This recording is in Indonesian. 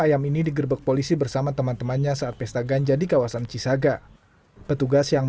ayam ini digerbek polisi bersama teman temannya saat pesta ganja di kawasan cisaga petugas yang